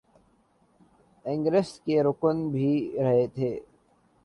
ingress کے رکن بھی رہے تھے